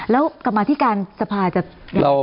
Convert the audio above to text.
แล้วกลับมาที่การสภาจจะ